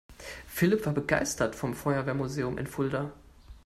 Philipp war begeistert vom Feuerwehrmuseum in Fulda.